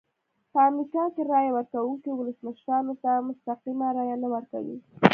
په امریکا کې رایه ورکوونکي ولسمشرانو ته مستقیمه رایه نه ورکوي.